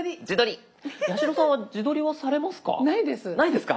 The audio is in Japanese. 八代さんは自撮りはされますか？